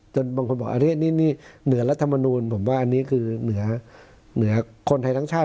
จนบางคนบอกอันเนี้ยนี่นี่เหนือรัฐมนูลผมว่าอันนี้คือเหนือเหนือคนไทยทั้งชาติ